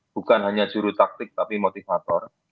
bukan hanya juru taktik tapi motivator